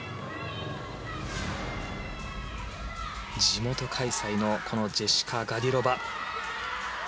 地元開催のジェシカ・ガディロバ。